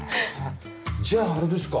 じゃああれですか？